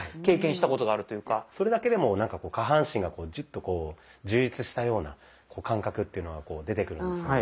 それだけでもなんか下半身がジュッとこう充実したような感覚っていうのは出てくるんですよね。